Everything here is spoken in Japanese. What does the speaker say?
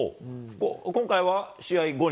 今回は、試合後に？